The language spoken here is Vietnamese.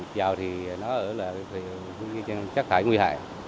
dầu thì nó ở trên chất thải nguy hại